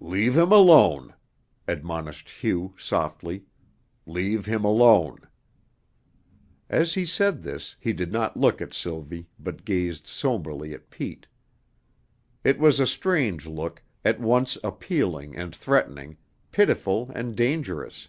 "Leave him alone," admonished Hugh softly, "leave him alone." As he said this, he did not look at Sylvie, but gazed somberly at Pete. It was a strange look, at once appealing and threatening, pitiful and dangerous.